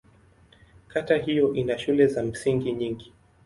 Kata hiyo ina shule za msingi nyingi.